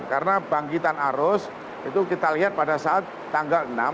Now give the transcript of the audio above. karena bangkitan arus itu kita lihat pada saat tanggal enam